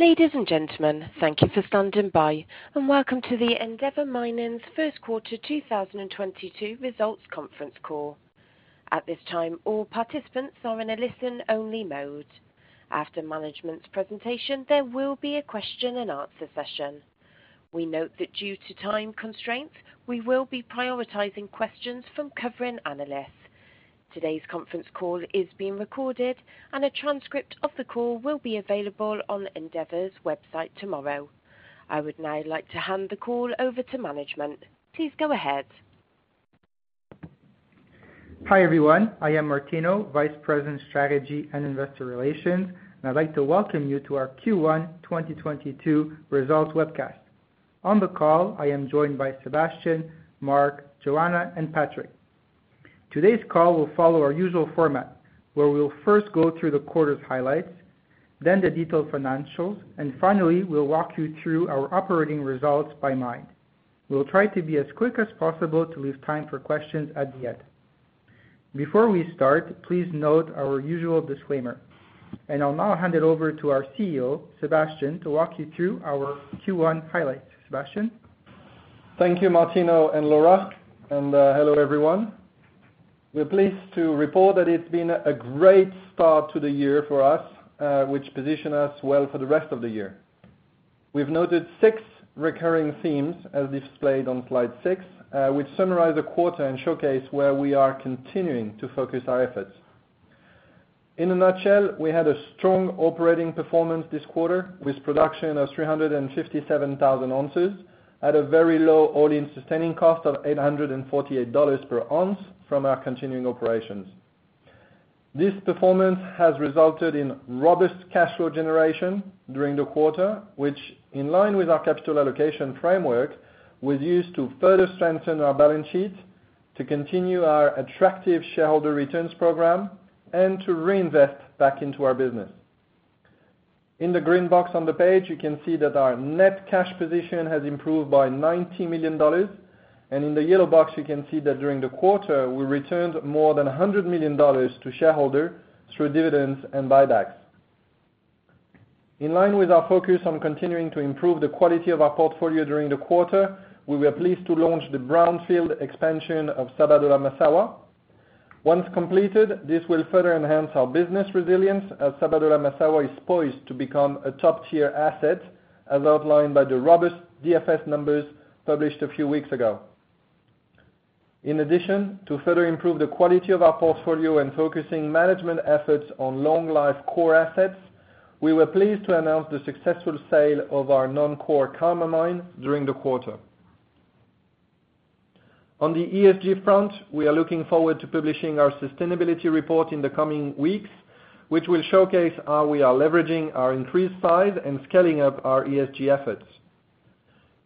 Ladies and gentlemen, thank you for standing by, and welcome to the Endeavour Mining's first quarter 2022 results conference call. At this time, all participants are in a listen-only mode. After management's presentation, there will be a question-and-answer session. We note that due to time constraints, we will be prioritizing questions from covering analysts. Today's conference call is being recorded, and a transcript of the call will be available on Endeavour's website tomorrow. I would now like to hand the call over to management. Please go ahead. Hi, everyone. I am Martino, Vice President, Strategy and Investor Relations, and I'd like to welcome you to our Q1 2022 results webcast. On the call, I am joined by Sébastien, Mark, Joanna, and Patrick. Today's call will follow our usual format, where we'll first go through the quarter's highlights, then the detailed financials, and finally, we'll walk you through our operating results by mine. We'll try to be as quick as possible to leave time for questions at the end. Before we start, please note our usual disclaimer, and I'll now hand it over to our CEO, Sébastien, to walk you through our Q1 highlights. Sébastien? Thank you, Martino and Laura, and hello, everyone. We're pleased to report that it's been a great start to the year for us, which position us well for the rest of the year. We've noted six recurring themes, as displayed on slide 6, which summarize the quarter and showcase where we are continuing to focus our efforts. In a nutshell, we had a strong operating performance this quarter, with production of 357,000 ounces at a very low all-in sustaining cost of $848 per ounce from our continuing operations. This performance has resulted in robust cash flow generation during the quarter, which in line with our capital allocation framework, was used to further strengthen our balance sheet, to continue our attractive shareholder returns program, and to reinvest back into our business. In the green box on the page, you can see that our net cash position has improved by $90 million, and in the yellow box, you can see that during the quarter, we returned more than $100 million to shareholder through dividends and buybacks. In line with our focus on continuing to improve the quality of our portfolio during the quarter, we were pleased to launch the brownfield expansion of Sabodala-Massawa. Once completed, this will further enhance our business resilience, as Sabodala-Massawa is poised to become a top-tier asset, as outlined by the robust DFS numbers published a few weeks ago. In addition, to further improve the quality of our portfolio and focusing management efforts on long-life core assets, we were pleased to announce the successful sale of our non-core Karma mine during the quarter. On the ESG front, we are looking forward to publishing our sustainability report in the coming weeks, which will showcase how we are leveraging our increased size and scaling up our ESG efforts.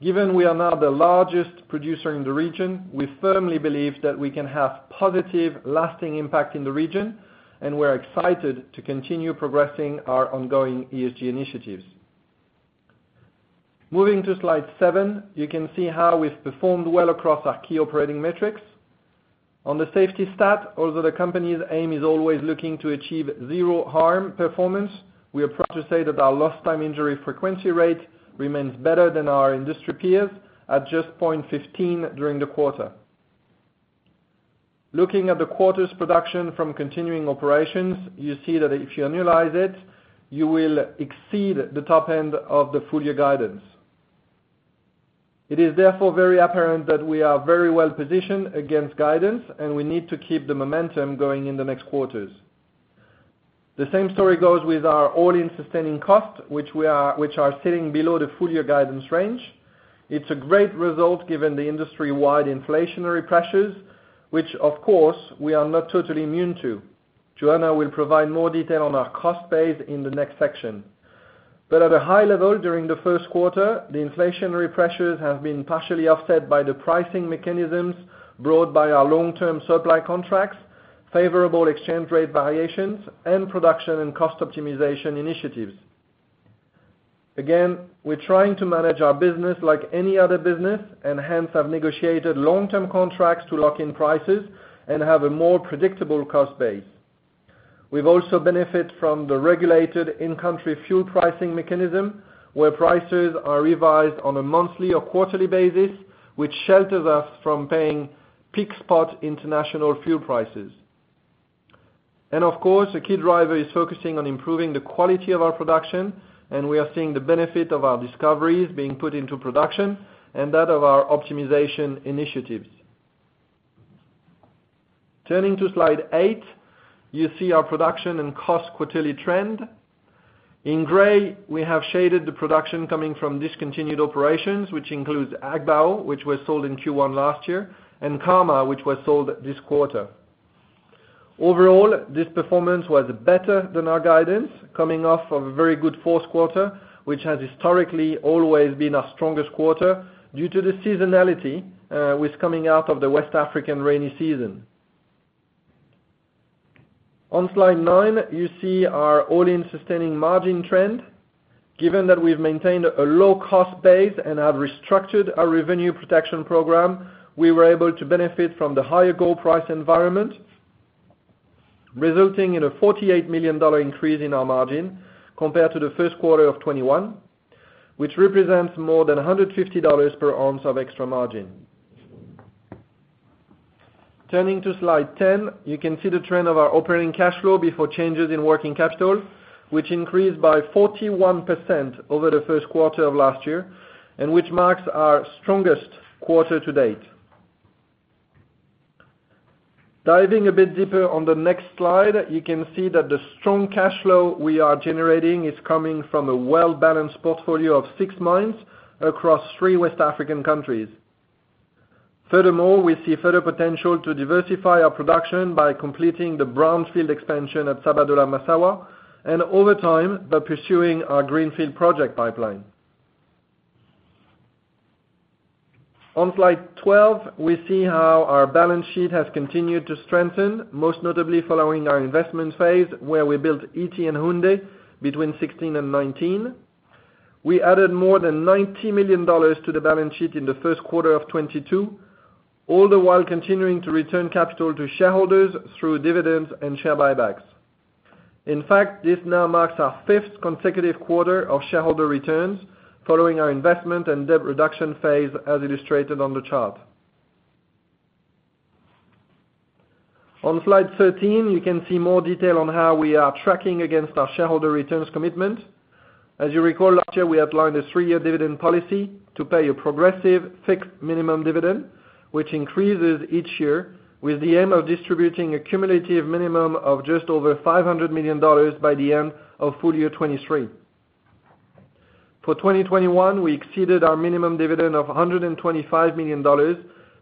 Given we are now the largest producer in the region, we firmly believe that we can have positive, lasting impact in the region, and we're excited to continue progressing our ongoing ESG initiatives. Moving to slide seven, you can see how we've performed well across our key operating metrics. On the safety stat, although the company's aim is always looking to achieve zero harm performance, we are proud to say that our lost time injury frequency rate remains better than our industry peers at just 0.15 during the quarter. Looking at the quarter's production from continuing operations, you see that if you annualize it, you will exceed the top end of the full year guidance. It is therefore very apparent that we are very well positioned against guidance, and we need to keep the momentum going in the next quarters. The same story goes with our all-in sustaining cost, which are sitting below the full year guidance range. It's a great result given the industry-wide inflationary pressures, which of course, we are not totally immune to. Joanna will provide more detail on our cost base in the next section. But at a high level, during the first quarter, the inflationary pressures have been partially offset by the pricing mechanisms brought by our long-term supply contracts, favorable exchange rate variations, and production and cost optimization initiatives. Again, we're trying to manage our business like any other business, and hence, have negotiated long-term contracts to lock in prices and have a more predictable cost base. We've also benefited from the regulated in-country fuel pricing mechanism, where prices are revised on a monthly or quarterly basis, which shelters us from paying peak spot international fuel prices. And of course, a key driver is focusing on improving the quality of our production, and we are seeing the benefit of our discoveries being put into production and that of our optimization initiatives. Turning to slide eight, you see our production and cost quarterly trend. In gray, we have shaded the production coming from discontinued operations, which includes Agbaou, which was sold in Q1 last year, and Karma, which was sold this quarter. Overall, this performance was better than our guidance, coming off of a very good fourth quarter, which has historically always been our strongest quarter due to the seasonality, with coming out of the West African rainy season. On slide nine, you see our all-in sustaining margin trend. Given that we've maintained a low cost base and have restructured our revenue protection program, we were able to benefit from the higher gold price environment, resulting in a $48 million increase in our margin compared to the first quarter of 2021, which represents more than $150 per ounce of extra margin. Turning to slide ten, you can see the trend of our operating cash flow before changes in working capital, which increased by 41% over the first quarter of last year, and which marks our strongest quarter to date. Diving a bit deeper on the next slide, you can see that the strong cash flow we are generating is coming from a well-balanced portfolio of six mines across three West African countries. Furthermore, we see further potential to diversify our production by completing the brownfield expansion at Sabodala-Massawa, and over time, by pursuing our greenfield project pipeline. On slide 12, we see how our balance sheet has continued to strengthen, most notably following our investment phase, where we built Ity and Houndé between 2016 and 2019. We added more than $90 million to the balance sheet in the first quarter of 2022, all the while continuing to return capital to shareholders through dividends and share buybacks. In fact, this now marks our fifth consecutive quarter of shareholder returns, following our investment and debt reduction phase, as illustrated on the chart. On slide 13, you can see more detail on how we are tracking against our shareholder returns commitment. As you recall, last year, we outlined a three-year dividend policy to pay a progressive fixed minimum dividend, which increases each year, with the aim of distributing a cumulative minimum of just over $500 million by the end of full year 2023. For 2021, we exceeded our minimum dividend of $125 million,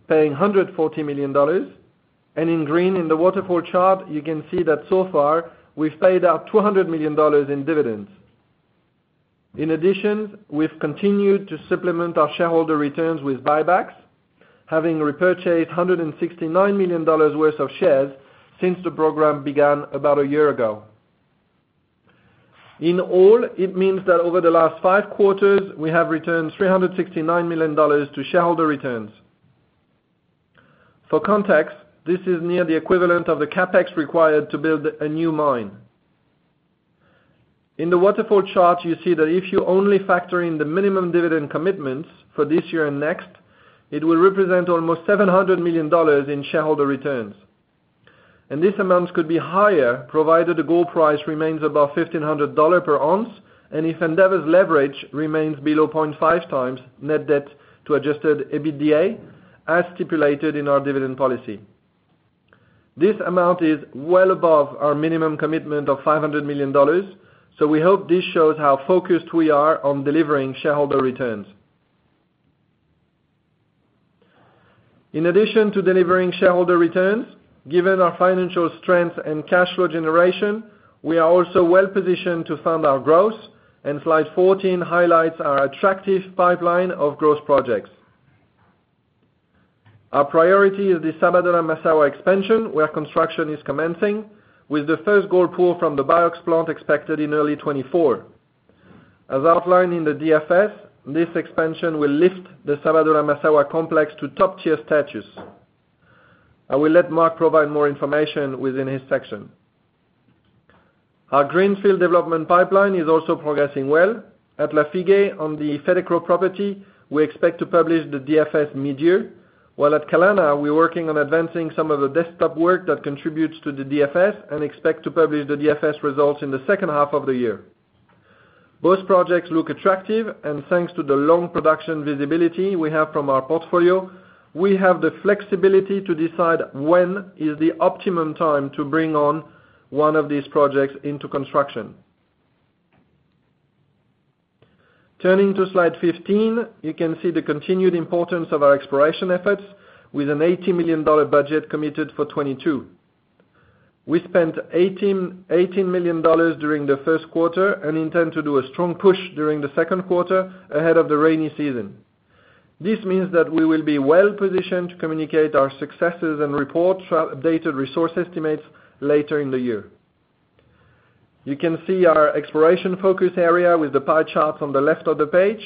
paying $140 million, and in green in the waterfall chart, you can see that so far, we've paid out $200 million in dividends. In addition, we've continued to supplement our shareholder returns with buybacks, having repurchased $169 million worth of shares since the program began about a year ago. In all, it means that over the last five quarters, we have returned $369 million to shareholder returns. For context, this is near the equivalent of the CapEx required to build a new mine. In the waterfall chart, you see that if you only factor in the minimum dividend commitments for this year and next, it will represent almost $700 million in shareholder returns. These amounts could be higher, provided the gold price remains above $1,500 dollars per ounce, and if Endeavour's leverage remains below 0.5 times net debt to adjusted EBITDA, as stipulated in our dividend policy. This amount is well above our minimum commitment of $500 million, so we hope this shows how focused we are on delivering shareholder returns. In addition to delivering shareholder returns, given our financial strength and cash flow generation, we are also well positioned to fund our growth, and slide 14 highlights our attractive pipeline of growth projects. Our priority is the Sabodala-Massawa expansion, where construction is commencing, with the first gold pour from the BIOX plant expected in early 2024. As outlined in the DFS, this expansion will lift the Sabodala-Massawa complex to top-tier status. I will let Mark provide more information within his section. Our greenfield development pipeline is also progressing well. At Lafigué, on the Fetekro property, we expect to publish the DFS mid-year, while at Kalana, we're working on advancing some of the desktop work that contributes to the DFS and expect to publish the DFS results in the second half of the year. Both projects look attractive, and thanks to the long production visibility we have from our portfolio, we have the flexibility to decide when is the optimum time to bring on one of these projects into construction. Turning to slide 15, you can see the continued importance of our exploration efforts with an $80 million budget committed for 2022. We spent $18 million during the first quarter and intend to do a strong push during the second quarter ahead of the rainy season. This means that we will be well positioned to communicate our successes and report updated resource estimates later in the year. You can see our exploration focus area with the pie chart on the left of the page.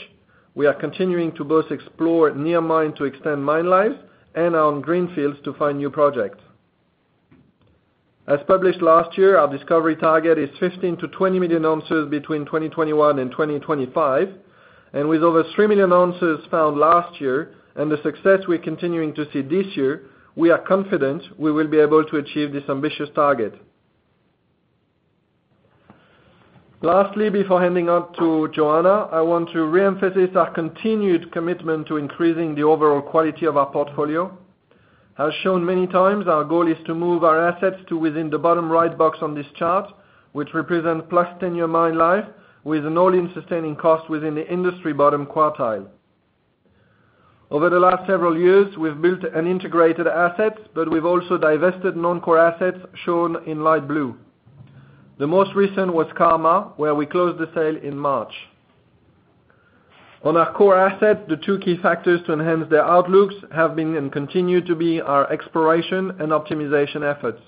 We are continuing to both explore near mine to extend mine life and on greenfields to find new projects. As published last year, our discovery target is 15 million ounces-20 million ounces between 2021 and 2025, and with over three million ounces found last year and the success we're continuing to see this year, we are confident we will be able to achieve this ambitious target. Lastly, before handing over to Joanna, I want to reemphasize our continued commitment to increasing the overall quality of our portfolio. As shown many times, our goal is to move our assets to within the bottom right box on this chart, which represent plus 10-year mine life with an all-in sustaining cost within the industry bottom quartile. Over the last several years, we've built and integrated assets, but we've also divested non-core assets, shown in light blue. The most recent was Karma, where we closed the sale in March. On our core assets, the two key factors to enhance their outlooks have been and continue to be our exploration and optimization efforts.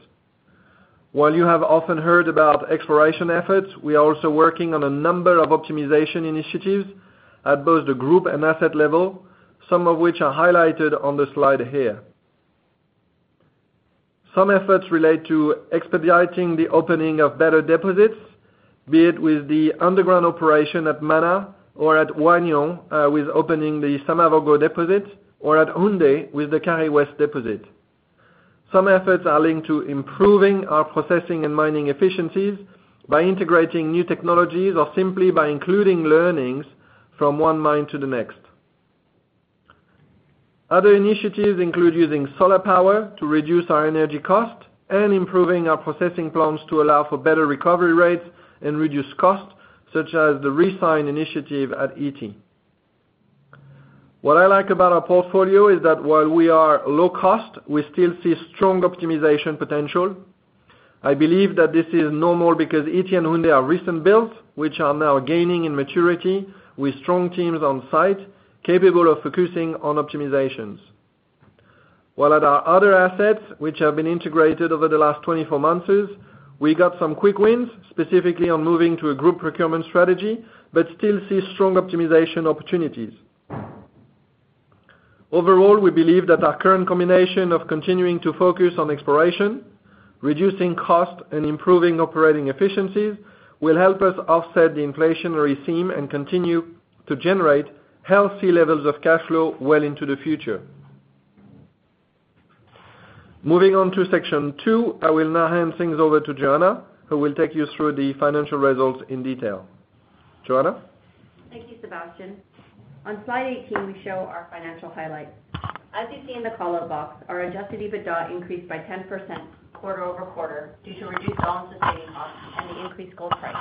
While you have often heard about exploration efforts, we are also working on a number of optimization initiatives at both the group and asset level... some of which are highlighted on the slide here. Some efforts relate to expediting the opening of better deposits, be it with the underground operation at Mana or at Wahgnion, with opening the Samavogo deposit, or at Houndé with the Kari West deposit. Some efforts are linked to improving our processing and mining efficiencies by integrating new technologies or simply by including learnings from one mine to the next. Other initiatives include using solar power to reduce our energy cost and improving our processing plants to allow for better recovery rates and reduce costs, such as the resin initiative at Ity. What I like about our portfolio is that while we are low-cost, we still see strong optimization potential. I believe that this is normal because Ity and Houndé are recent builds, which are now gaining in maturity with strong teams on site, capable of focusing on optimizations. While at our other assets, which have been integrated over the last twenty-four months, we got some quick wins, specifically on moving to a group procurement strategy, but still see strong optimization opportunities. Overall, we believe that our current combination of continuing to focus on exploration, reducing costs, and improving operating efficiencies will help us offset the inflationary theme and continue to generate healthy levels of cash flow well into the future. Moving on to section two, I will now hand things over to Joanna, who will take you through the financial results in detail. Joanna? Thank you, Sébastien. On slide 18, we show our financial highlights. As you see in the call-out box, our adjusted EBITDA increased by 10% quarter over quarter due to reduced all-in sustaining costs and the increased gold price,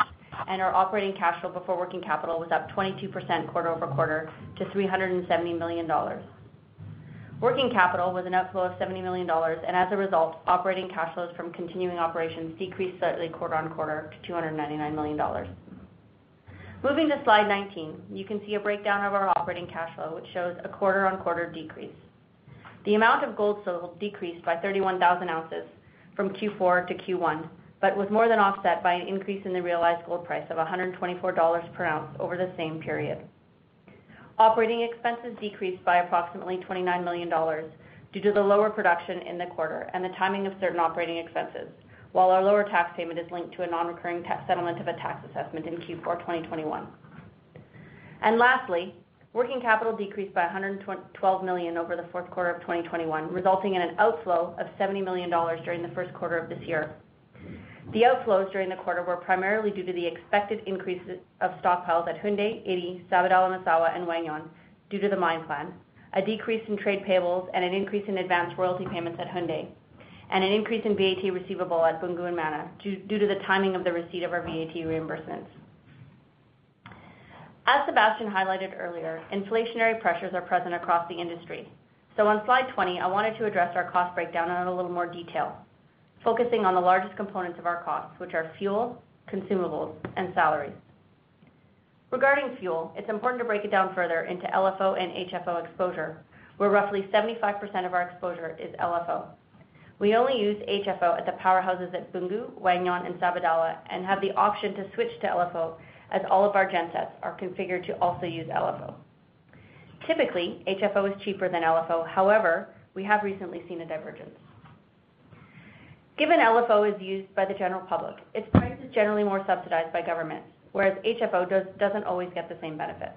and our operating cash flow before working capital was up 22% quarter over quarter to $370 million. Working capital was an outflow of $70 million, and as a result, operating cash flows from continuing operations decreased slightly quarter on quarter to $299 million. Moving to slide 19, you can see a breakdown of our operating cash flow, which shows a quarter-on-quarter decrease. The amount of gold sold decreased by 31,000 ounces from Q4 to Q1, but was more than offset by an increase in the realized gold price of $124 per ounce over the same period. Operating expenses decreased by approximately $29 million due to the lower production in the quarter and the timing of certain operating expenses, while our lower tax payment is linked to a nonrecurring tax settlement of a tax assessment in Q4 2021. And lastly, working capital decreased by $112 million over the fourth quarter of 2021, resulting in an outflow of $70 million during the first quarter of this year. The outflows during the quarter were primarily due to the expected increases of stockpiles at Houndé, Ity, Sabodala, Massawa and Wahgnion due to the mine plan, a decrease in trade payables, and an increase in advanced royalty payments at Houndé, and an increase in VAT receivable at Boungou and Mana, due to the timing of the receipt of our VAT reimbursements. As Sébastien highlighted earlier, inflationary pressures are present across the industry. So on slide 20, I wanted to address our cost breakdown in a little more detail, focusing on the largest components of our costs, which are fuel, consumables, and salaries. Regarding fuel, it's important to break it down further into LFO and HFO exposure, where roughly 75% of our exposure is LFO. We only use HFO at the powerhouses at Boungou, Wahgnion, and Sabodala, and have the option to switch to LFO, as all of our gen sets are configured to also use LFO. Typically, HFO is cheaper than LFO, however, we have recently seen a divergence. Given LFO is used by the general public, its price is generally more subsidized by government, whereas HFO doesn't always get the same benefit.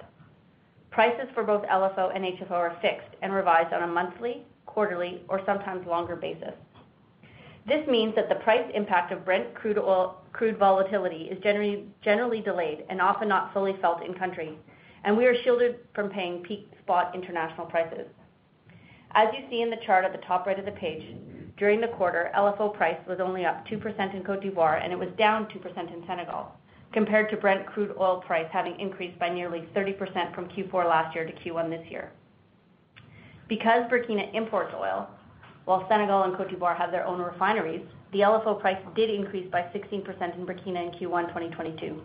Prices for both LFO and HFO are fixed and revised on a monthly, quarterly, or sometimes longer basis. This means that the price impact of Brent crude oil, crude volatility is generally, generally delayed and often not fully felt in country, and we are shielded from paying peak spot international prices. As you see in the chart at the top right of the page, during the quarter, LFO price was only up 2% in Côte d'Ivoire, and it was down 2% in Senegal, compared to Brent crude oil price having increased by nearly 30% from Q4 last year to Q1 this year. Because Burkina imports oil, while Senegal and Côte d'Ivoire have their own refineries, the LFO price did increase by 16% in Burkina in Q1 2022.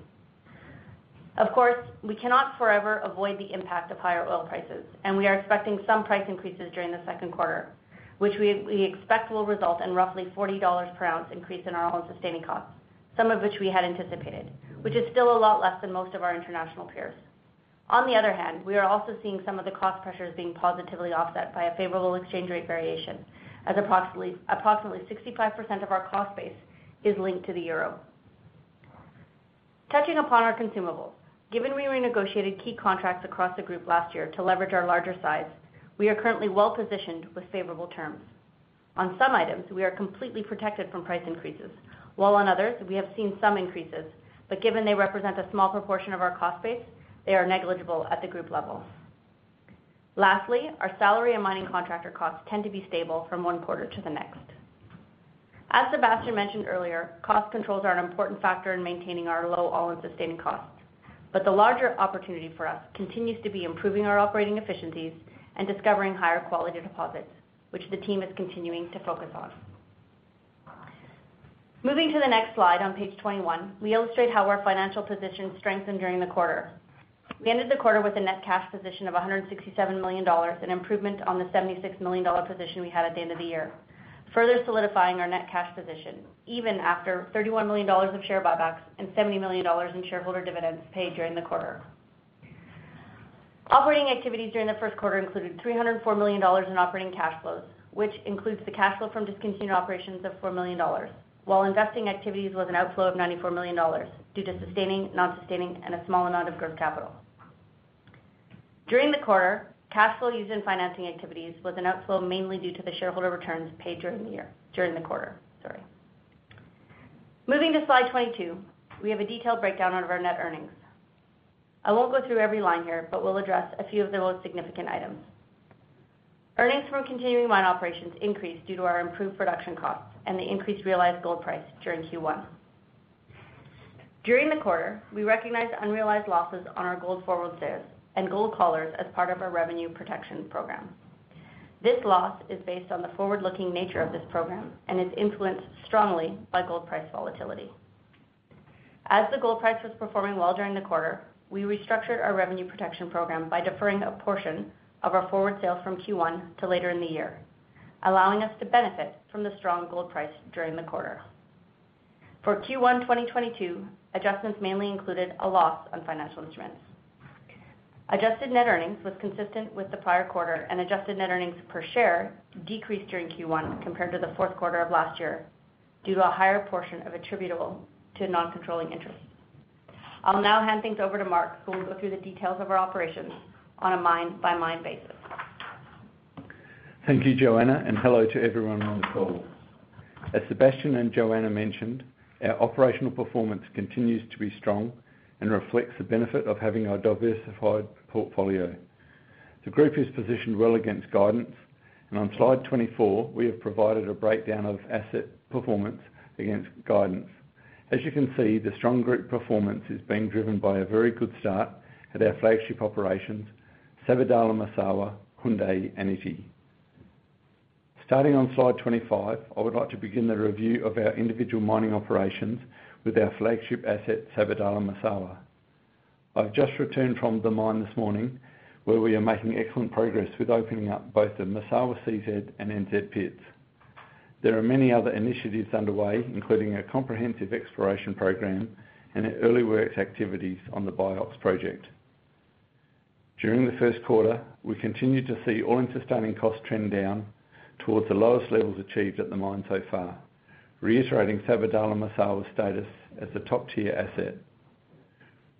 Of course, we cannot forever avoid the impact of higher oil prices, and we are expecting some price increases during the second quarter, which we expect will result in roughly $40 per ounce increase in our all-in sustaining costs, some of which we had anticipated, which is still a lot less than most of our international peers. On the other hand, we are also seeing some of the cost pressures being positively offset by a favorable exchange rate variation, as approximately 65% of our cost base is linked to the euro. Touching upon our consumables, given we renegotiated key contracts across the group last year to leverage our larger size, we are currently well positioned with favorable terms. On some items, we are completely protected from price increases, while on others, we have seen some increases, but given they represent a small proportion of our cost base, they are negligible at the group level. Lastly, our salary and mining contractor costs tend to be stable from one quarter to the next. As Sébastien mentioned earlier, cost controls are an important factor in maintaining our low all-in sustaining costs, but the larger opportunity for us continues to be improving our operating efficiencies and discovering higher quality deposits, which the team is continuing to focus on. Moving to the next slide on page twenty-one, we illustrate how our financial position strengthened during the quarter. We ended the quarter with a net cash position of $167 million, an improvement on the $76 million position we had at the end of the year, further solidifying our net cash position, even after $31 million of share buybacks and $70 million in shareholder dividends paid during the quarter. Operating activities during the first quarter included $304 million in operating cash flows, which includes the cash flow from discontinued operations of $4 million, while investing activities was an outflow of $94 million due to sustaining, non-sustaining, and a small amount of growth capital. During the quarter, cash flow used in financing activities was an outflow, mainly due to the shareholder returns paid during the year, during the quarter, sorry. Moving to slide 22, we have a detailed breakdown of our net earnings. I won't go through every line here, but we'll address a few of the most significant items. Earnings from continuing mine operations increased due to our improved production costs and the increased realized gold price during Q1. During the quarter, we recognized unrealized losses on our gold forward sales and gold collars as part of our revenue protection program. This loss is based on the forward-looking nature of this program and is influenced strongly by gold price volatility. As the gold price was performing well during the quarter, we restructured our revenue protection program by deferring a portion of our forward sales from Q1 to later in the year, allowing us to benefit from the strong gold price during the quarter. For Q1, 2022, adjustments mainly included a loss on financial instruments. Adjusted net earnings was consistent with the prior quarter, and adjusted net earnings per share decreased during Q1 compared to the fourth quarter of last year, due to a higher portion attributable to non-controlling interest. I'll now hand things over to Mark, who will go through the details of our operations on a mine-by-mine basis. Thank you, Joanna, and hello to everyone on the call. As Sébastien and Joanna mentioned, our operational performance continues to be strong and reflects the benefit of having a diversified portfolio. The group is positioned well against guidance, and on slide 24, we have provided a breakdown of asset performance against guidance. As you can see, the strong group performance is being driven by a very good start at our flagship operations, Sabodala-Massawa, Houndé, and Ity. Starting on slide 25, I would like to begin the review of our individual mining operations with our flagship asset, Sabodala-Massawa. I've just returned from the mine this morning, where we are making excellent progress with opening up both the Massawa CZ and NZ pits. There are many other initiatives underway, including a comprehensive exploration program and early works activities on the BIOX project. During the first quarter, we continued to see all-in sustaining costs trend down towards the lowest levels achieved at the mine so far, reiterating Sabodala-Massawa's status as a top-tier asset.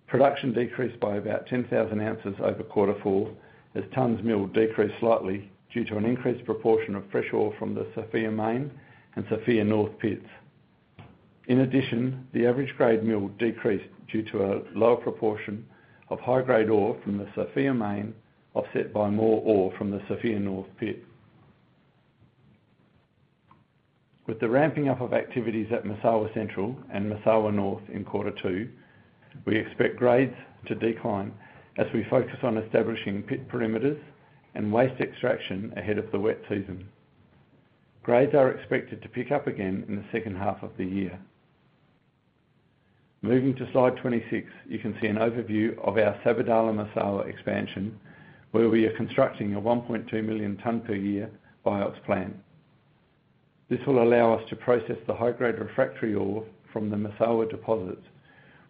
Production decreased by about ten thousand ounces over quarter four, as tonnes milled decreased slightly due to an increased proportion of fresh ore from the Sofia Main and Sofia North pits. In addition, the average grade milled decreased due to a lower proportion of high-grade ore from the Sofia Main, offset by more ore from the Sofia North pit. With the ramping up of activities at Massawa Central and Massawa North in quarter two, we expect grades to decline as we focus on establishing pit perimeters and waste extraction ahead of the wet season. Grades are expected to pick up again in the second half of the year. Moving to slide twenty-six, you can see an overview of our Sabodala-Massawa expansion, where we are constructing a one point two million ton per year BIOX plant. This will allow us to process the high-grade refractory ore from the Massawa deposits,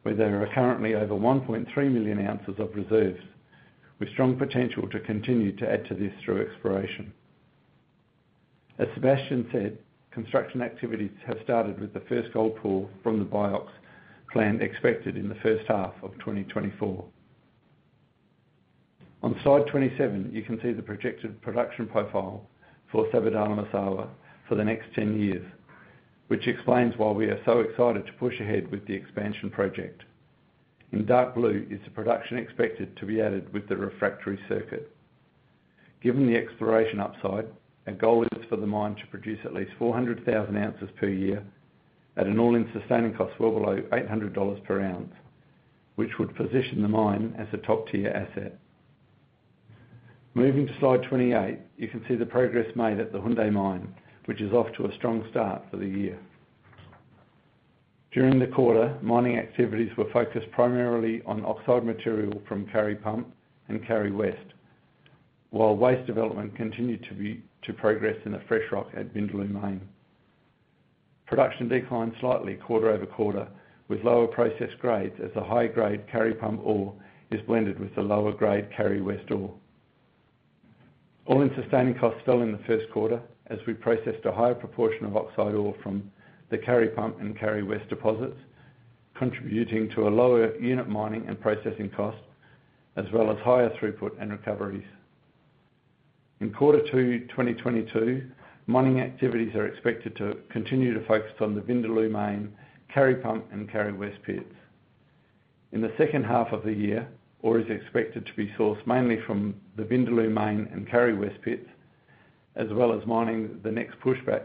where there are currently over one point three million ounces of reserves, with strong potential to continue to add to this through exploration. As Sébastien said, construction activities have started with the first gold pour from the BIOX plant expected in the first half of 2024. On slide twenty-seven, you can see the projected production profile for Sabodala-Massawa for the next ten years, which explains why we are so excited to push ahead with the expansion project. In dark blue is the production expected to be added with the refractory circuit. Given the exploration upside, our goal is for the mine to produce at least 400,000 ounces per year at an all-in sustaining cost well below $800 per ounce, which would position the mine as a top-tier asset. Moving to slide 28, you can see the progress made at the Houndé mine, which is off to a strong start for the year. During the quarter, mining activities were focused primarily on oxide material from Kari Pump and Kari West, while waste development continued to progress in fresh rock at Vindaloo Main. Production declined slightly quarter over quarter, with lower processed grades as the high-grade Kari Pump ore is blended with the lower-grade Kari West ore. All-in sustaining costs fell in the first quarter as we processed a higher proportion of oxide ore from the Kari Pump and Kari West deposits, contributing to a lower unit mining and processing cost, as well as higher throughput and recoveries. In quarter two, 2022, mining activities are expected to continue to focus on the Vindaloo Main, Kari Pump, and Kari West pits. In the second half of the year, ore is expected to be sourced mainly from the Vindaloo Main and Kari West pits, as well as mining the next pushback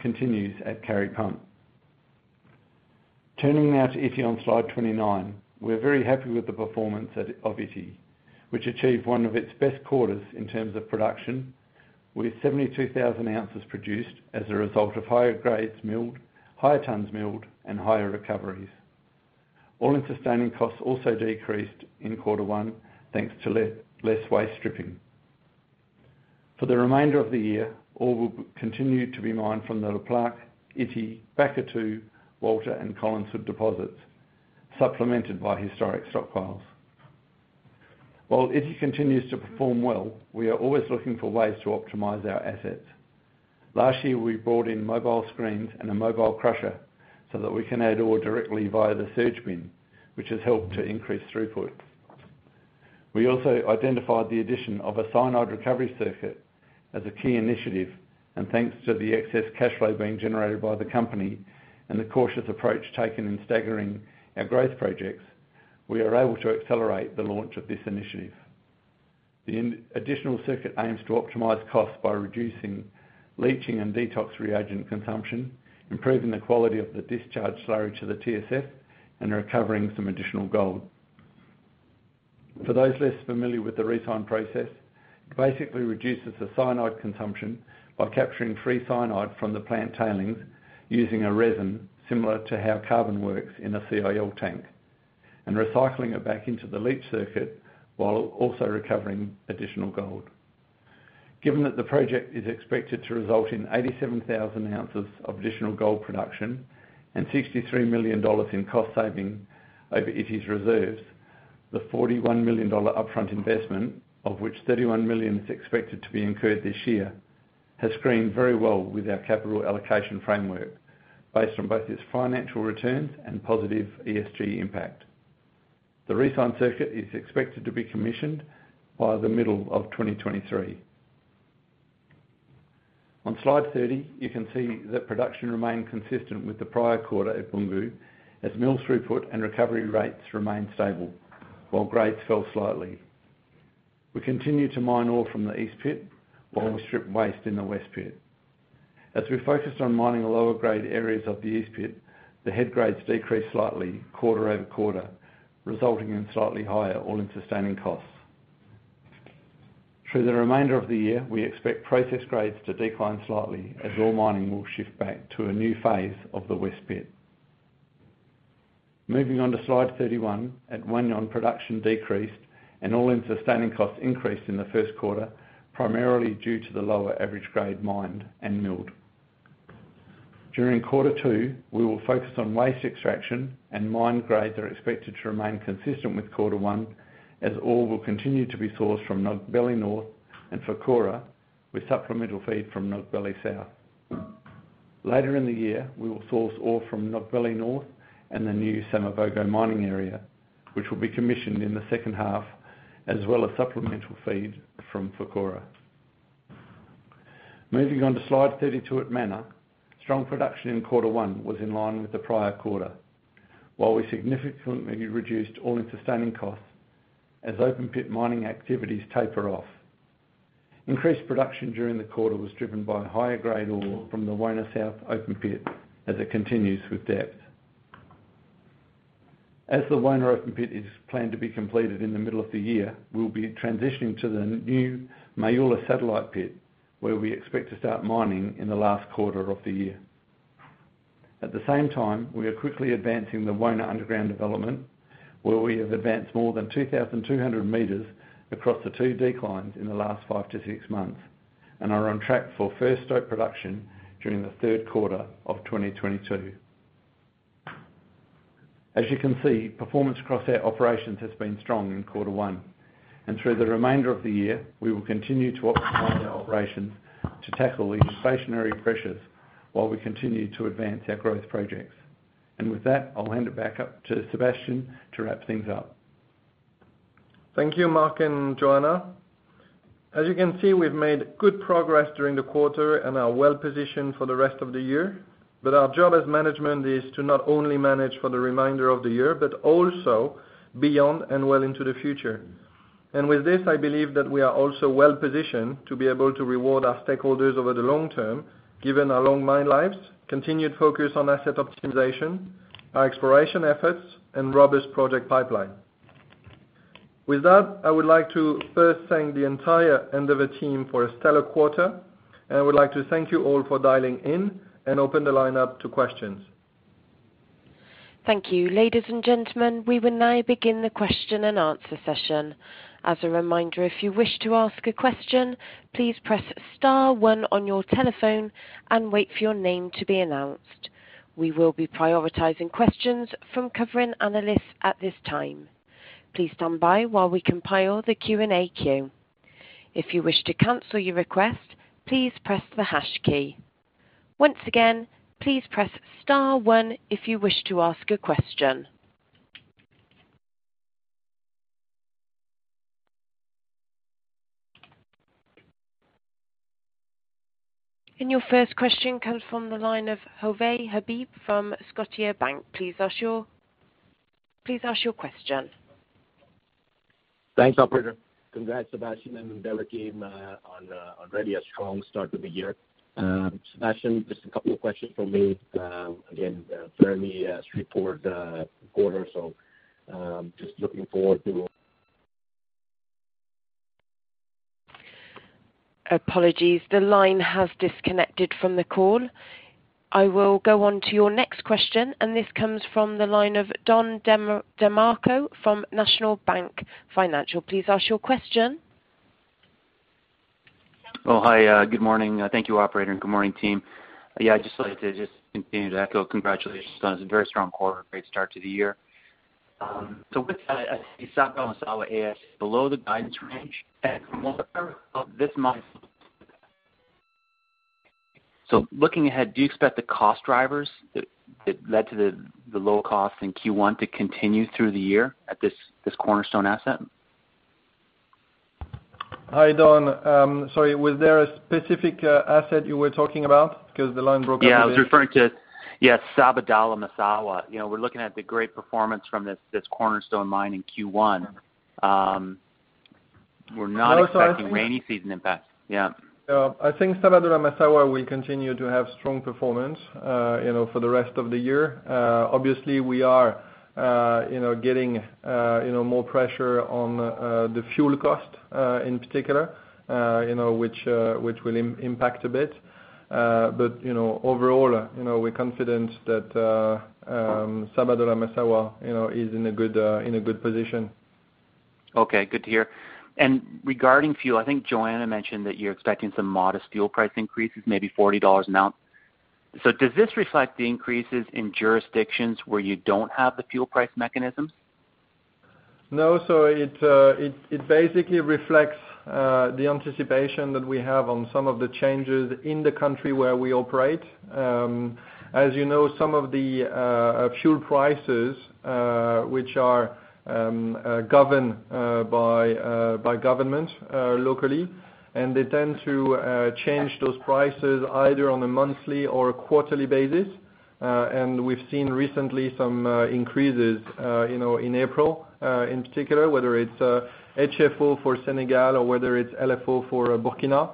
continues at Kari Pump. Turning now to Ity on slide 29. We're very happy with the performance of Ity, which achieved one of its best quarters in terms of production, with 72,000 ounces produced as a result of higher grades milled, higher tonnes milled, and higher recoveries. All-in sustaining costs also decreased in quarter one, thanks to less waste stripping. For the remainder of the year, ore will continue to be mined from the Le Plaque, Ity, Bakatouo, Walter, and Colline Sud deposits, supplemented by historic stockpiles. While Ity continues to perform well, we are always looking for ways to optimize our assets. Last year, we brought in mobile screens and a mobile crusher so that we can add ore directly via the surge bin, which has helped to increase throughput. We also identified the addition of a cyanide recovery circuit as a key initiative, and thanks to the excess cash flow being generated by the company and the cautious approach taken in staggering our growth projects, we are able to accelerate the launch of this initiative. The additional circuit aims to optimize costs by reducing leaching and detox reagent consumption, improving the quality of the discharge slurry to the TSF, and recovering some additional gold. For those less familiar with the ReCYN process, it basically reduces the cyanide consumption by capturing free cyanide from the plant tailings using a resin similar to how carbon works in a CIL tank, and recycling it back into the leach circuit while also recovering additional gold. Given that the project is expected to result in 87,000 ounces of additional gold production and $63 million in cost saving over Ity's reserves, the $41 million upfront investment, of which $31 million is expected to be incurred this year, has screened very well with our capital allocation framework based on both its financial returns and positive ESG impact. The ReCYN circuit is expected to be commissioned by the middle of 2023. On slide 30, you can see that production remained consistent with the prior quarter at Boungou, as mill throughput and recovery rates remained stable while grades fell slightly. We continued to mine ore from the East Pit, while we strip waste in the West Pit. As we focused on mining the lower grade areas of the East Pit, the head grades decreased slightly quarter over quarter, resulting in slightly higher all-in sustaining costs. Through the remainder of the year, we expect process grades to decline slightly as ore mining will shift back to a new phase of the West Pit. Moving on to slide 31, at Wahgnion production decreased and all-in sustaining costs increased in the first quarter, primarily due to the lower average grade mined and milled. During quarter two, we will focus on waste extraction and mine grades are expected to remain consistent with quarter one, as ore will continue to be sourced from Nogbele North and Fourkoura, with supplemental feed from Nogbele South. Later in the year, we will source ore from Nogbele North and the new Samavogo mining area, which will be commissioned in the second half, as well as supplemental feed from Fourkoura. Moving on to slide 32 at Mana, strong production in quarter one was in line with the prior quarter, while we significantly reduced all-in sustaining costs as open pit mining activities taper off. Increased production during the quarter was driven by higher-grade ore from the Wona South open pit as it continues with depth. As the Wona open pit is planned to be completed in the middle of the year, we'll be transitioning to the new Maoula satellite pit, where we expect to start mining in the last quarter of the year. At the same time, we are quickly advancing the Wona underground development, where we have advanced more than 2,200 meters across the two declines in the last 5 months-6 months and are on track for first ore production during the third quarter of 2022. As you can see, performance across our operations has been strong in quarter one, and through the remainder of the year, we will continue to optimize our operations to tackle the inflationary pressures while we continue to advance our growth projects, and with that, I'll hand it back up to Sébastien to wrap things up. Thank you, Mark and Joanna. As you can see, we've made good progress during the quarter and are well positioned for the rest of the year, but our job as management is to not only manage for the remainder of the year, but also beyond and well into the future, and with this, I believe that we are also well positioned to be able to reward our stakeholders over the long term, given our long mine lives, continued focus on asset optimization, our exploration efforts, and robust project pipeline. With that, I would like to first thank the entire Endeavour team for a stellar quarter, and I would like to thank you all for dialing in and open the line up to questions. Thank you. Ladies and gentlemen, we will now begin the question-and-answer session. As a reminder, if you wish to ask a question, please press star one on your telephone and wait for your name to be announced. We will be prioritizing questions from covering analysts at this time. Please stand by while we compile the Q&A queue. If you wish to cancel your request, please press the hash key. Once again, please press star one if you wish to ask a question. And your first question comes from the line of Ovais Habib from Scotiabank. Please ask your question. Thanks, operator. Congrats, Sébastien and the team, on already a strong start to the year. Sébastien, just a couple of questions from me. Again, very straightforward quarter, so just looking forward to- Apologies, the line has disconnected from the call.... I will go on to your next question, and this comes from the line of Don DeMarco from National Bank Financial. Please ask your question. Good morning. Thank you, operator, and good morning, team. Yeah, I'd just like to just continue to echo congratulations on a very strong quarter, great start to the year. So with that, I saw Massawa as below the guidance range this month. So looking ahead, do you expect the cost drivers that led to the low cost in Q1 to continue through the year at this cornerstone asset? Hi, Don. Sorry, was there a specific asset you were talking about? Because the line broke up a bit. Yeah, I was referring to, yes, Sabodala-Massawa. You know, we're looking at the great performance from this cornerstone mine in Q1. We're not expecting- Oh, sorry. Rainy season impact. Yeah. I think Sabodala-Massawa will continue to have strong performance, you know, for the rest of the year. Obviously, we are, you know, getting, you know, more pressure on the fuel cost, in particular, you know, which will impact a bit. But, you know, overall, you know, we're confident that Sabodala-Massawa, you know, is in a good position. Okay, good to hear. And regarding fuel, I think Joanna mentioned that you're expecting some modest fuel price increases, maybe $40 an ounce. So does this reflect the increases in jurisdictions where you don't have the fuel price mechanism? No. So it basically reflects the anticipation that we have on some of the changes in the country where we operate. As you know, some of the fuel prices, which are governed by government locally, and they tend to change those prices either on a monthly or a quarterly basis. And we've seen recently some increases, you know, in April, in particular, whether it's HFO for Senegal or whether it's LFO for Burkina.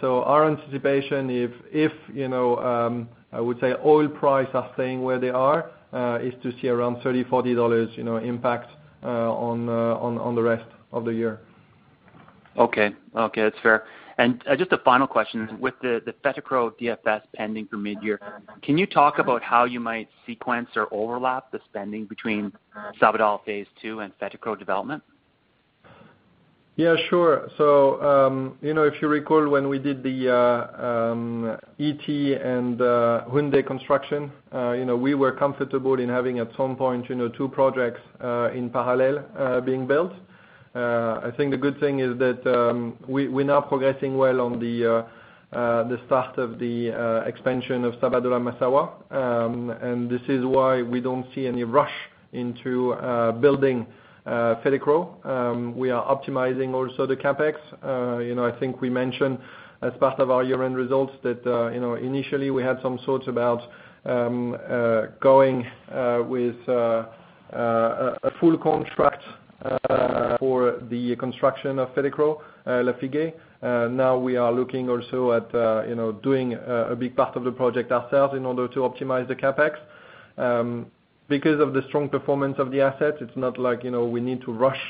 So our anticipation if, you know, I would say, oil price are staying where they are, is to see around $30-$40, you know, impact, on the rest of the year. Okay. Okay, that's fair. And just a final question: With the Fetekro DFS pending for midyear, can you talk about how you might sequence or overlap the spending between Sabodala Phase 2 and Fetekro development? Yeah, sure. So, you know, if you recall, when we did the Ity and Houndé Construction, you know, we were comfortable in having at some point, you know, two projects in parallel being built. I think the good thing is that we, we're now progressing well on the start of the expansion of Sabodala-Massawa, and this is why we don't see any rush into building Fetekro. We are optimizing also the CapEx. You know, I think we mentioned as part of our year-end results that, you know, initially we had some thoughts about going with a full contract for the construction of Fetekro Lafigué. Now we are looking also at, you know, doing a big part of the project ourselves in order to optimize the CapEx. Because of the strong performance of the asset, it's not like, you know, we need to rush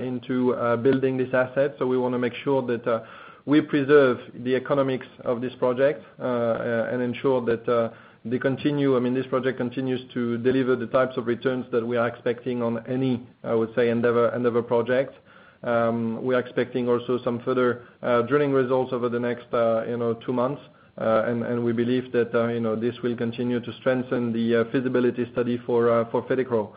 into building this asset. So we wanna make sure that we preserve the economics of this project, and ensure that they continue... I mean, this project continues to deliver the types of returns that we are expecting on any, I would say, Endeavour, Endeavour project. We are expecting also some further drilling results over the next, you know, two months. And we believe that, you know, this will continue to strengthen the feasibility study for Fetekro.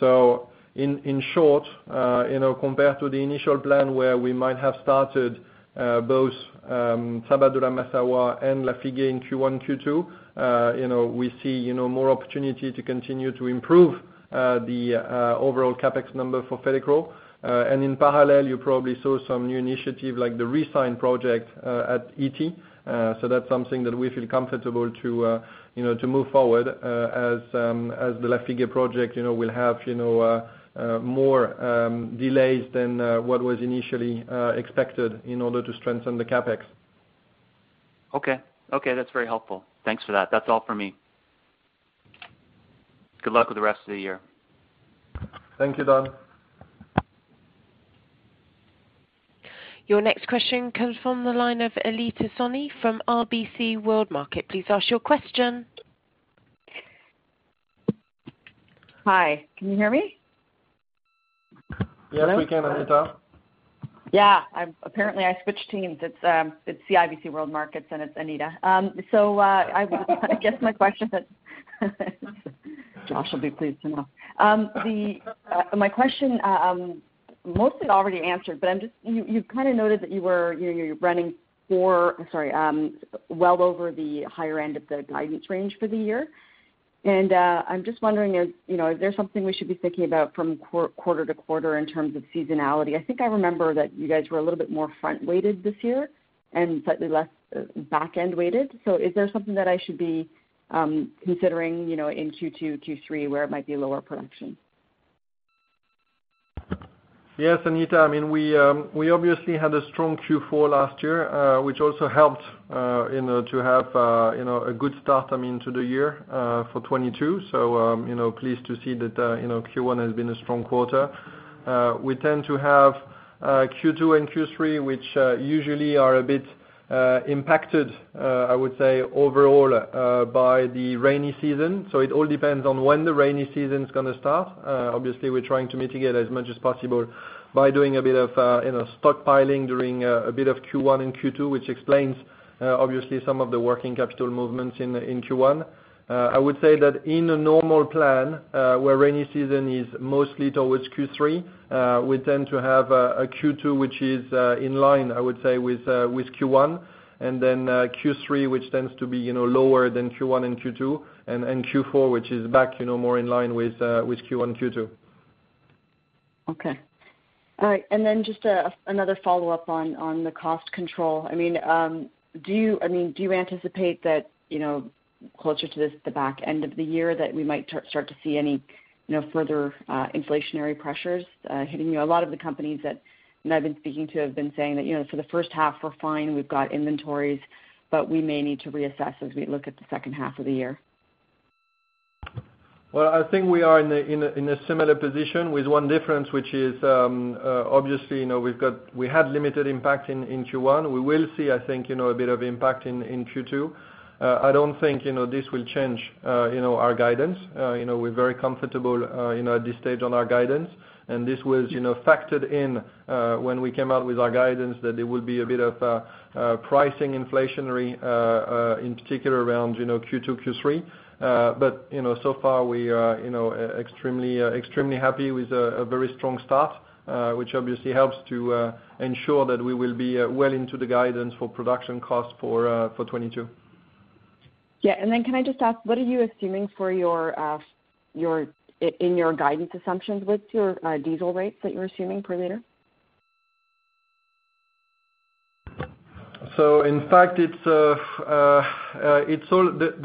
So in short, you know, compared to the initial plan, where we might have started both Sabodala-Massawa and Lafigué in Q1, Q2, you know, we see, you know, more opportunity to continue to improve the overall CapEx number for Fetekro. And in parallel, you probably saw some new initiative, like the ReCYN project at Ity. So that's something that we feel comfortable to, you know, to move forward as the Lafigué project, you know, will have, you know, more delays than what was initially expected in order to strengthen the CapEx. Okay. Okay, that's very helpful. Thanks for that. That's all for me. Good luck with the rest of the year. Thank you, Don. Your next question comes from the line of Anita Soni from CIBC World Markets. Please ask your question. Hi, can you hear me? Yes, we can. Hi, Anita. Yeah, I'm apparently I switched teams. It's CIBC World Markets, and it's Anita. So I guess my question is... Josh will be pleased to know. My question mostly already answered, but I'm just... You've kind of noted that you were, you know, you're running for, sorry, well over the higher end of the guidance range for the year. And I'm just wondering if, you know, is there something we should be thinking about from quarter to quarter in terms of seasonality? I think I remember that you guys were a little bit more front-weighted this year, and slightly less back-end weighted. So is there something that I should be considering, you know, in Q2, Q3, where it might be lower production? Yes, Anita. I mean, we obviously had a strong Q4 last year, which also helped, you know, to have, you know, a good start, I mean, to the year, for 2022. So, you know, pleased to see that, you know, Q1 has been a strong quarter. We tend to have, Q2 and Q3, which usually are a bit impacted, I would say overall, by the rainy season. So it all depends on when the rainy season is going to start. Obviously, we're trying to mitigate as much as possible by doing a bit of, you know, stockpiling during, a bit of Q1 and Q2, which explains, obviously, some of the working capital movements in Q1. I would say that in a normal plan, where rainy season is mostly towards Q3, we tend to have a Q2 which is in line, I would say, with Q1, and then Q3, which tends to be, you know, lower than Q1 and Q2, and Q4, which is back, you know, more in line with Q1, Q2. Okay. All right, and then just another follow-up on the cost control. I mean, do you anticipate that, you know, closer to the back end of the year, that we might start to see any, you know, further inflationary pressures hitting you? A lot of the companies that I've been speaking to have been saying that, "You know, for the first half, we're fine, we've got inventories, but we may need to reassess as we look at the second half of the year. I think we are in a similar position with one difference, which is obviously, you know, we had limited impact in Q1. We will see, I think, you know, a bit of impact in Q2. I don't think, you know, this will change our guidance. You know, we're very comfortable, you know, at this stage on our guidance. And this was, you know, factored in when we came out with our guidance, that there would be a bit of pricing inflationary in particular around, you know, Q2, Q3. But you know, so far, we are, you know, extremely happy with a very strong start, which obviously helps to ensure that we will be well into the guidance for production costs for 2022. Yeah, and then can I just ask, what are you assuming for your in your guidance assumptions with your diesel rates that you're assuming per liter? So in fact, it's all.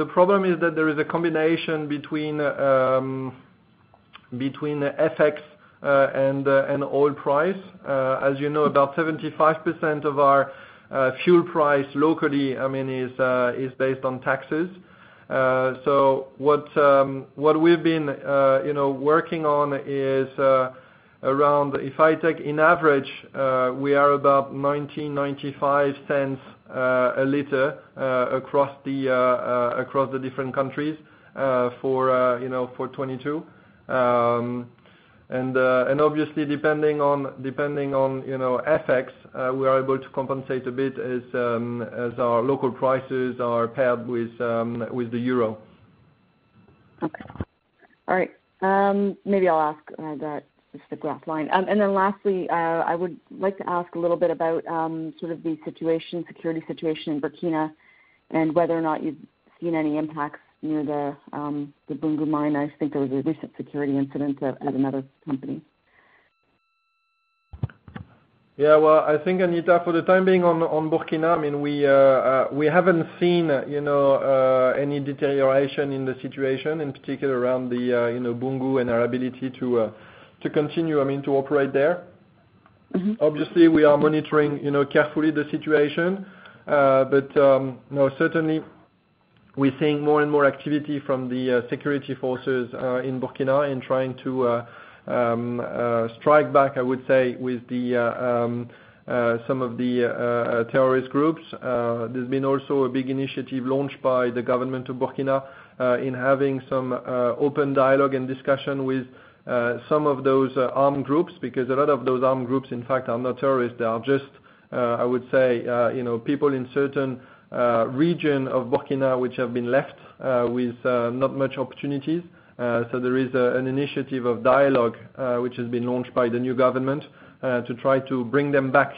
The problem is that there is a combination between FX and oil price. As you know, about 75% of our fuel price locally, I mean, is based on taxes. So what we've been, you know, working on is around, if I take in average, we are about $0.1995 a liter across the different countries for, you know, for 2022. And obviously, depending on FX, we are able to compensate a bit as our local prices are paired with the euro. Okay. All right, maybe I'll ask that as the graph line. And then lastly, I would like to ask a little bit about sort of the situation, security situation in Burkina, and whether or not you've seen any impacts near the Boungou mine. I think there was a recent security incident at another company. Yeah, well, I think, Anita, for the time being on Burkina, I mean, we haven't seen, you know, any deterioration in the situation, in particular around the, you know, Boungou and our ability to continue, I mean, to operate there. Mm-hmm. Obviously, we are monitoring, you know, carefully the situation. But, no, certainly we're seeing more and more activity from the security forces in Burkina, in trying to strike back, I would say, with some of the terrorist groups. There's been also a big initiative launched by the government of Burkina in having some open dialogue and discussion with some of those armed groups, because a lot of those armed groups, in fact, are not terrorists. They are just, I would say, you know, people in certain region of Burkina, which have been left with not much opportunities. So there is an initiative of dialogue which has been launched by the new government to try to bring them back,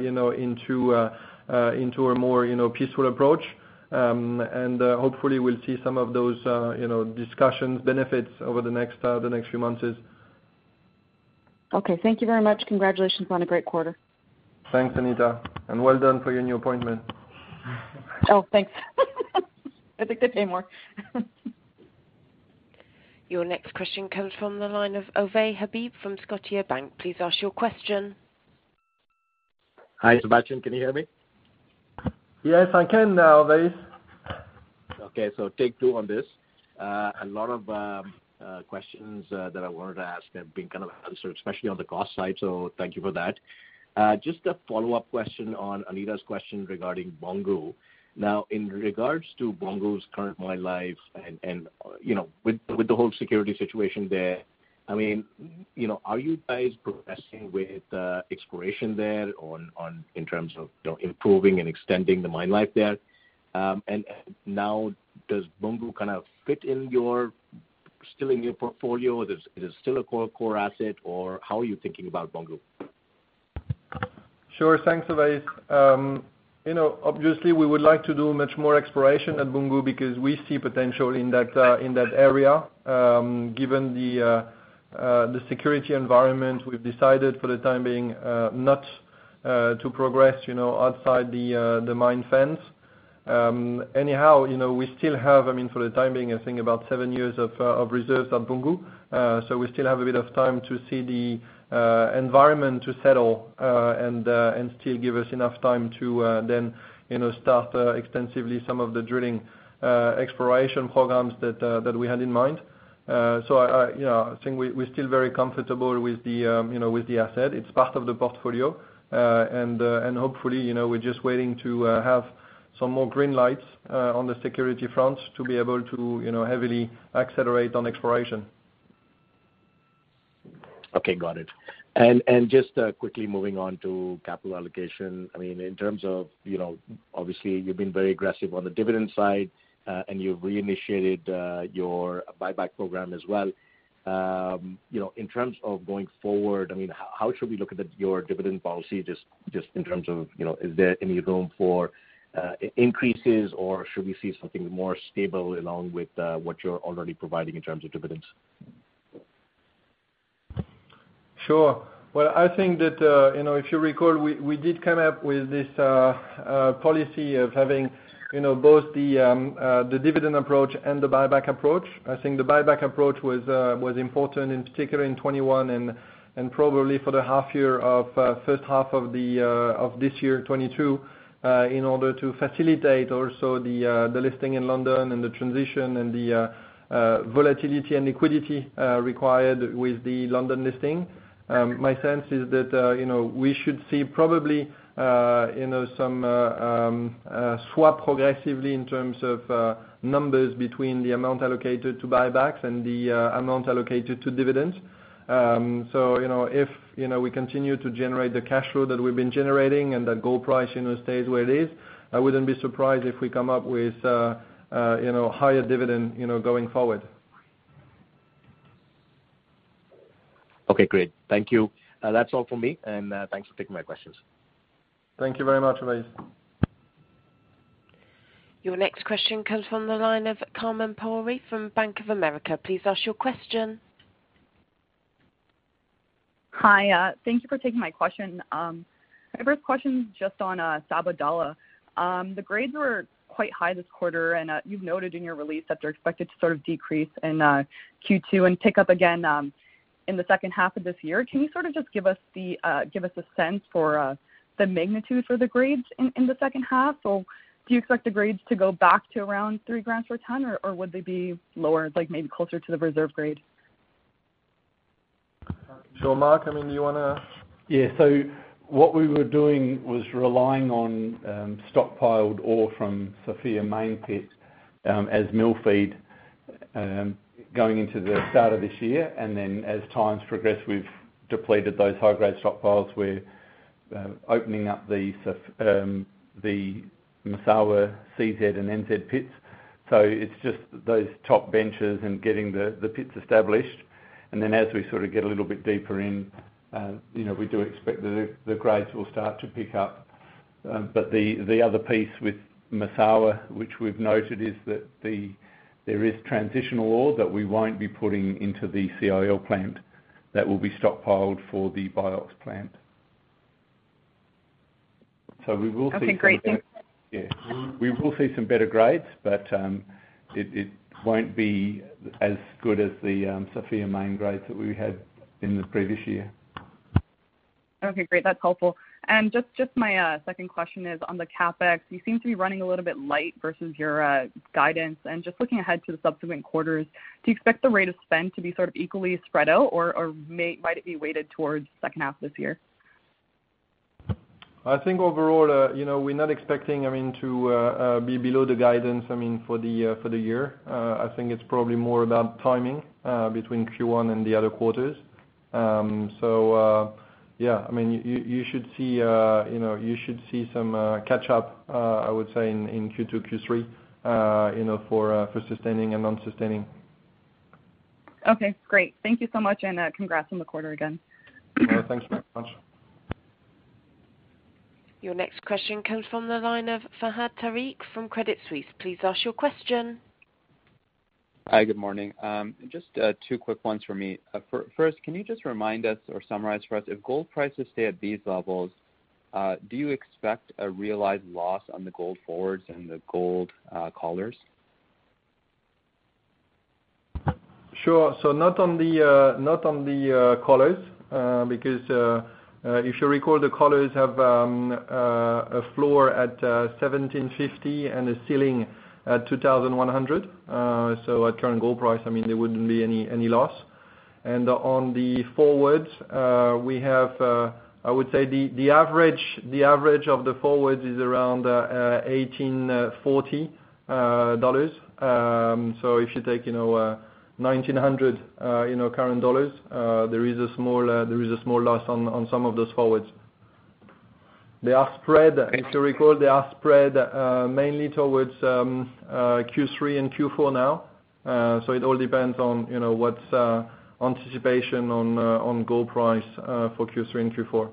you know, into a more, you know, peaceful approach. And hopefully, we'll see some of those, you know, discussions benefits over the next few months. Okay, thank you very much. Congratulations on a great quarter. Thanks, Anita, and well done for your new appointment. Oh, thanks. I think they pay more. Your next question comes from the line of Ovais Habib from Scotiabank. Please ask your question. Hi, Sébastien, can you hear me? Yes, I can now, Ovais. Okay, so take two on this. A lot of questions that I wanted to ask have been kind of answered, especially on the cost side, so thank you for that. Just a follow-up question on Anita's question regarding Boungou. Now, in regards to Boungou's current mine life and, you know, with the whole security situation there, I mean, you know, are you guys progressing with exploration there on, in terms of, you know, improving and extending the mine life there? And now, does Boungou kind of fit in your, still in your portfolio? Is it still a core asset, or how are you thinking about Boungou? Sure. Thanks, Ovais. You know, obviously, we would like to do much more exploration at Boungou because we see potential in that area. Given the security environment, we've decided for the time being not to progress, you know, outside the mine fence. Anyhow, you know, we still have, I mean, for the time being, I think about seven years of reserves at Boungou. So we still have a bit of time to see the environment to settle and still give us enough time to then, you know, start extensively some of the drilling exploration programs that we had in mind. So I, you know, I think we, we're still very comfortable with the, you know, with the asset. It's part of the portfolio, and hopefully, you know, we're just waiting to have some more green lights on the security front to be able to, you know, heavily accelerate on exploration. ... Okay, got it. And just quickly moving on to capital allocation. I mean, in terms of, you know, obviously, you've been very aggressive on the dividend side, and you've reinitiated your buyback program as well. You know, in terms of going forward, I mean, how should we look at your dividend policy, just in terms of, you know, is there any room for increases, or should we see something more stable along with what you're already providing in terms of dividends? Sure. Well, I think that, you know, if you recall, we did come up with this policy of having, you know, both the dividend approach and the buyback approach. I think the buyback approach was important, in particular in 2021 and probably for the first half of this year, 2022, in order to facilitate also the listing in London and the transition and the volatility and liquidity required with the London listing. My sense is that, you know, we should see probably, you know, some swap progressively in terms of numbers between the amount allocated to buybacks and the amount allocated to dividends. So, you know, if you know we continue to generate the cash flow that we've been generating, and the gold price, you know, stays where it is, I wouldn't be surprised if we come up with, you know, higher dividend, you know, going forward. Okay, great. Thank you. That's all for me, and thanks for taking my questions. Thank you very much, Ovais. Your next question comes from the line of Lawson Winder from Bank of America. Please ask your question. Hi, thank you for taking my question. My first question is just on Sabodala. The grades were quite high this quarter, and you've noted in your release that they're expected to sort of decrease in Q2 and pick up again in the second half of this year. Can you sort of just give us the give us a sense for the magnitude for the grades in the second half? So do you expect the grades to go back to around three grams per ton, or would they be lower, like maybe closer to the reserve grade? So, Mark, I mean, do you wanna- Yeah. So what we were doing was relying on stockpiled ore from Sofia Main pit as mill feed going into the start of this year. And then as times progress, we've depleted those high-grade stockpiles. We're opening up the Massawa CZ and NZ pits. So it's just those top benches and getting the pits established, and then as we sort of get a little bit deeper in, you know, we do expect the grades will start to pick up. But the other piece with Massawa, which we've noted, is that there is transitional ore that we won't be putting into the CIL plant that will be stockpiled for the BIOX plant. So we will see some- Okay, great. Thank- Yeah. We will see some better grades, but it won't be as good as the Sofia Main grades that we had in the previous year. Okay, great. That's helpful. And just my second question is on the CapEx. You seem to be running a little bit light versus your guidance, and just looking ahead to the subsequent quarters, do you expect the rate of spend to be sort of equally spread out, or might it be weighted towards the second half of this year? I think overall, you know, we're not expecting, I mean, to be below the guidance, I mean, for the year. I think it's probably more about timing between Q1 and the other quarters. So, yeah, I mean, you should see, you know, you should see some catch up, I would say, in Q2, Q3, you know, for sustaining and non-sustaining. Okay, great. Thank you so much, and congrats on the quarter again. Thanks very much. Your next question comes from the line of Fahad Tariq from Credit Suisse. Please ask your question. Hi, good morning. Just, two quick ones from me. First, can you just remind us, or summarize for us, if gold prices stay at these levels, do you expect a realized loss on the gold forwards and the gold collars? Sure, so not on the collars, because if you recall, the collars have a floor at $1,750 and a ceiling at $2,100, so at current gold price, I mean, there wouldn't be any loss, and on the forwards, we have... I would say the average of the forwards is around $1,840 dollars, so if you take, you know, $1,900, you know, current dollars, there is a small loss on some of those forwards. They are spread- Thank you. If you recall, they are spread mainly towards Q3 and Q4 now. So it all depends on, you know, what's anticipation on gold price for Q3 and Q4.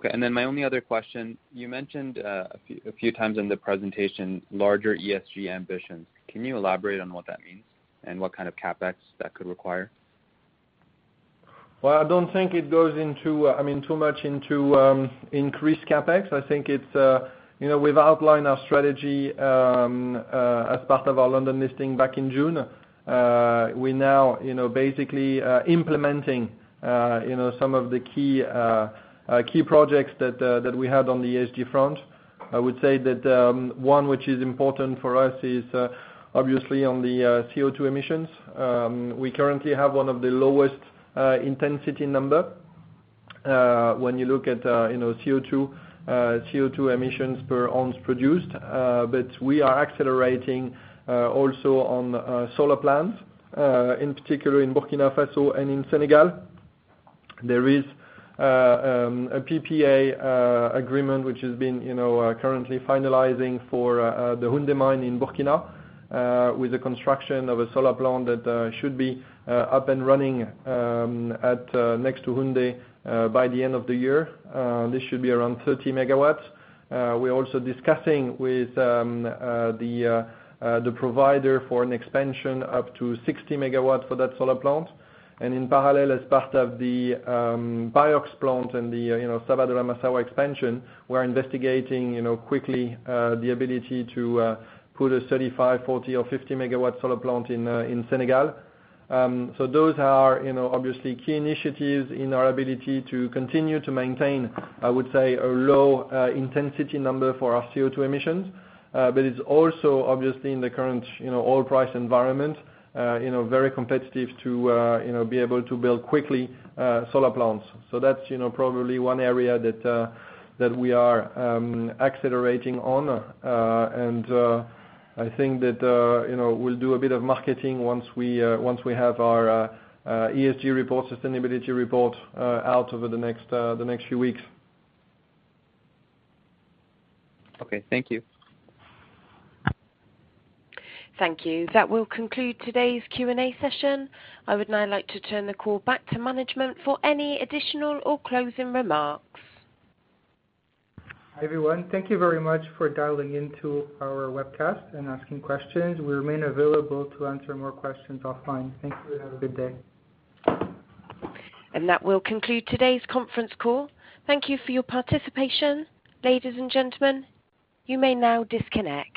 Okay, and then my only other question: You mentioned a few times in the presentation larger ESG ambitions. Can you elaborate on what that means and what kind of CapEx that could require? Well, I don't think it goes into, I mean, too much into increased CapEx. I think it's, you know, we've outlined our strategy as part of our London listing back in June. We now, you know, basically implementing, you know, some of the key projects that we had on the ESG front. I would say that one which is important for us is obviously on the CO2 emissions. We currently have one of the lowest intensity number when you look at, you know, CO2 CO2 emissions per ounce produced. But we are accelerating also on solar plants in particular in Burkina Faso and in Senegal. There is a PPA agreement, which is being, you know, currently finalizing for the Houndé mine in Burkina with the construction of a solar plant that should be up and running next to Houndé by the end of the year. This should be around 50 MW. We're also discussing with the provider for an expansion up to 60 MW for that solar plant. In parallel, as part of the BIOX plant and the, you know, Sabodala-Massawa expansion, we're investigating, you know, quickly the ability to put a 35 MW, 40MW or 50 MW solar plant in Senegal. So those are, you know, obviously key initiatives in our ability to continue to maintain, I would say, a low intensity number for our CO2 emissions. But it's also obviously in the current, you know, oil price environment, you know, very competitive to, you know, be able to build quickly, solar plants. So that's, you know, probably one area that that we are accelerating on. And, I think that, you know, we'll do a bit of marketing once we, once we have our ESG report, sustainability report out over the next, the next few weeks. Okay, thank you. Thank you. That will conclude today's Q&A session. I would now like to turn the call back to management for any additional or closing remarks. Hi, everyone. Thank you very much for dialing into our webcast and asking questions. We remain available to answer more questions offline. Thank you, and have a good day. And that will conclude today's conference call. Thank you for your participation. Ladies and gentlemen, you may now disconnect.